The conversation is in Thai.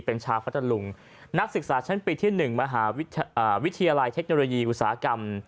เป็นชาวพัทธลุงนักศึกษาชั้นปีที่๑มหาวิทยาลัยเทคโนโลยีอุตสาหกรรม